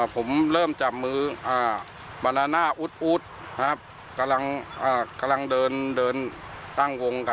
ผมเริ่มจับมือบาลาน่าอุ๊ดกำลังเดินตั้งวงกัน